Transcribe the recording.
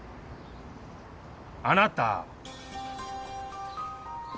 あなた。